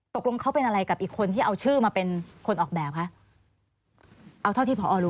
ตกลงเขาเป็นอะไรกับอีกคนที่เอาชื่อมาเป็นคนออกแบบคะเอาเท่าที่พอรู้